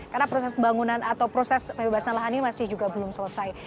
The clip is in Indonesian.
karena proses pembangunan atau proses pembebasan lahan ini masih juga belum selesai